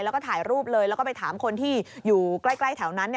แล้วก็ถ่ายรูปเลยแล้วก็ไปถามคนที่อยู่ใกล้แถวนั้น